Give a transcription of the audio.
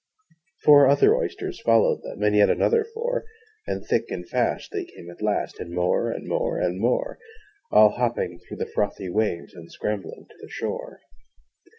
Four other Oysters followed them, And yet another four; And thick and fast they came at last, And more, and more, and more All hopping through the frothy waves, And scrambling to the shore.